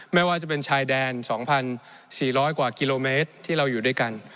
ไม่ว่าจะเป็นชายแดน๒๔๐๐กว่ากิโลเมตรที่เราอยู่ด้วยกัน